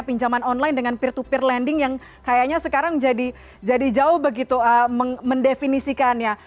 pinjaman online dengan peer to peer lending yang kayaknya sekarang jadi jauh begitu mendefinisikannya